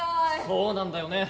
「そうなんだよね。